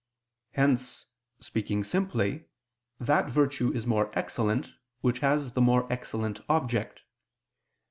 Hence, speaking simply, that virtue is more excellent, which has the more excellent object.